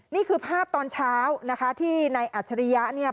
นี่คือภาพตอนเช้านะคะที่นายอัจฉริยะเนี่ย